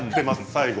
最後。